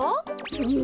うん。